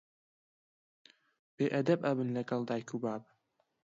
بێ ئەدەب ئەبن لەگەڵ دایک و باب